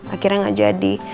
akhirnya gak jadi